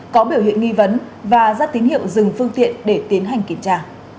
có biểu hiện nghi vấn và ra tín hiệu dừng phương tiện để tiến hành kiểm tra